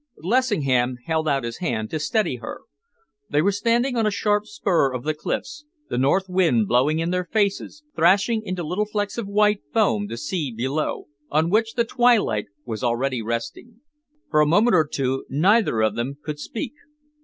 Lessingham held out his hand to steady her. They were standing on a sharp spur of the cliffs, the north wind blowing in their faces, thrashing into little flecks of white foam the sea below, on which the twilight was already resting. For a moment or two neither of them could speak.